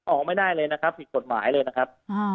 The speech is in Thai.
ออกไม่ได้เลยนะครับผิดกฎหมายเลยนะครับ